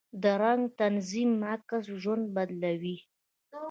د رنګ تنظیم د عکس ژوند بدلوي.